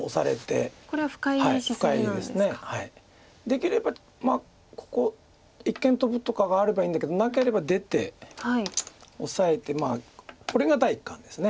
できればここ一間トブとかがあればいいんだけどなければ出てオサえてこれが第一感です。